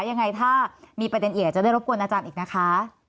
ยังไงถ้ามีประเด็นเอียจะได้รบกวนอาจารย์อีกนะคะ